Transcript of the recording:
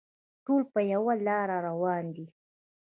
ټول په یوه لاره روان دي.